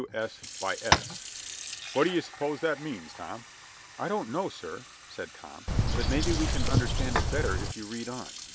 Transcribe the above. W. S. by S.' What d'ye suppose that means, Tom?" "I don't know, sir," said Tom. "But maybe we can understand it better if you read on."